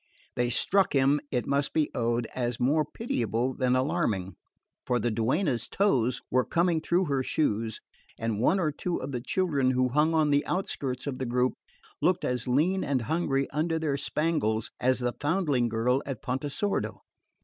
They struck him, it must be owned, as more pitiable than alarming, for the duenna's toes were coming through her shoes, and one or two of the children who hung on the outskirts of the group looked as lean and hungry under their spangles as the foundling girl of Pontesordo.